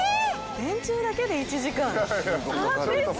「電柱だけで１時間」